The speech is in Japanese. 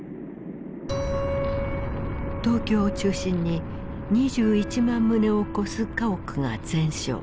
東京を中心に２１万棟を超す家屋が全焼。